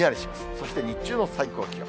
そして日中の最高気温。